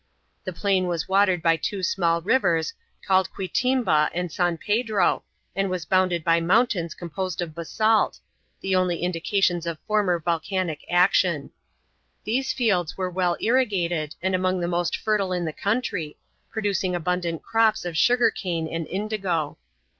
The plain was watered by two small rivers, called Cuitimba and San Pedro, and was bounded by mountains composed of basalt the only indications of former volcanic action. These fields were well irrigated, and among the most fertile in the country, producing abundant crops of sugar cane and indigo.